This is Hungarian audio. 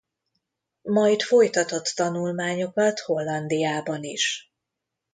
Majd folytatott tanulmányokat Hollandiában is.